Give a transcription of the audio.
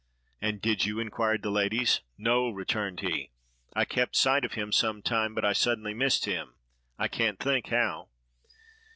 "And did you?" inquired the ladies. "No," returned he; "I kept sight of him some time; but I suddenly missed him—I can't think how."